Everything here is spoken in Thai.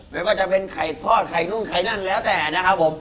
ไม่ว่าจะเป็นไข่ทอดไข่นู่นไข่นั่นแล้วแต่นะครับผม